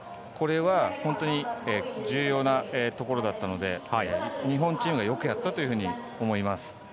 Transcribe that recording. これは本当に重要なところだったので日本チームがよくやったというふうに思います。